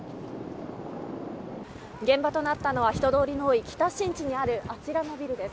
現場となったのは人通りの多い北新地にあるあちらのビルです。